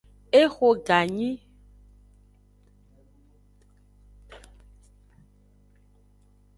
Exo ganyi.